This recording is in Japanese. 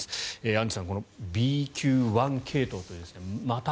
アンジュさんＢＱ．１系統という